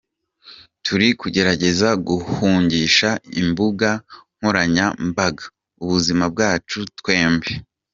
Turi kugerageza guhungisha imbuga nkoranyambaga ubuzima bwacu twembi.